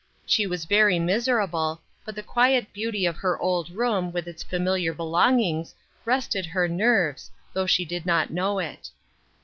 She was very miserable, but the quiet beauty of her old room, with its familiar belongings, rested her nerves, thouo;h she did not know it.